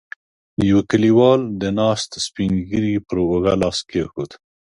يوه کليوال د ناست سپين ږيری پر اوږه لاس کېښود.